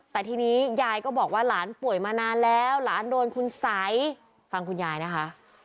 แต่ทีนี้ยายก็บอกว่าหลานป่วยมานานแล้วหลานโดนคุณสัยฟังคุณยายนะคะ